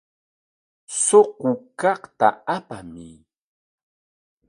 Suqu kaqta apamuy.